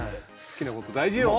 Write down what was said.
好きなこと大事よ。